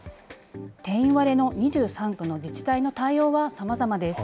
定員割れの２３区の自治体の対応はさまざまです。